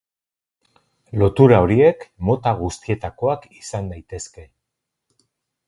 Lotura horiek mota guztietakoak izan daitezke.